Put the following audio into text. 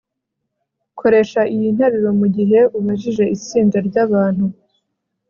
koresha iyi nteruro mugihe ubajije itsinda ryabantu